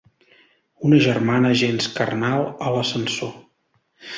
Una germana gens carnal a l'ascensor.